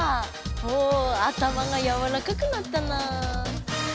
お頭がやわらかくなったな。